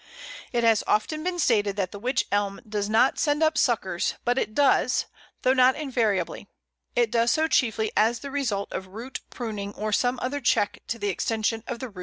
It has often been stated that the Wych Elm does not send up suckers, but it does, though not invariably; it does so chiefly as the result of root pruning or some other check to the extension of the root system.